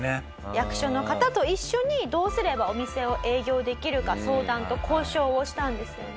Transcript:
役所の方と一緒にどうすればお店を営業できるか相談と交渉をしたんですよね。